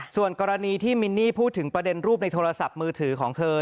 ส่วนกรณีที่มินนี่พูดถึงประเด็นรูปในโทรศัพท์มือถือของเธอ